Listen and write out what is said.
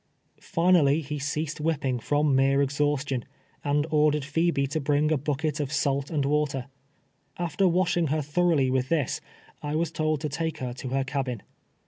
" Finally, he ceased whipping from mere exhaustion, and ordered Pliebe to bring a bucket of salt and wa ter. After washing her thoroughly with this, I was told to take her to her cabin.